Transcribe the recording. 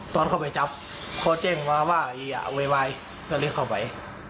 ตอดเข้าไปจับเขาเจ้งว่าอย่าโวยวายจะเรียกเข้าไป